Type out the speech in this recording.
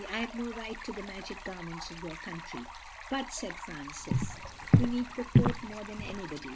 I have no right to the magic garments of your country." "But," said Francis, "you need the coat more than anybody.